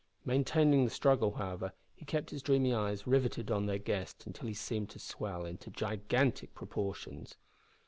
Maintaining the struggle, however, he kept his dreamy eyes riveted on their guest until he seemed to swell into gigantic proportions.